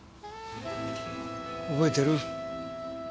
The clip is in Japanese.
覚えてる？